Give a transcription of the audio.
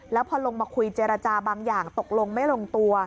แล้วพอลงมาคุยเจรจาบางอย่างตกลงไม่ลงตัว